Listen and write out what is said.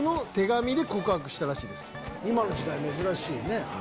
今の時代珍しいね。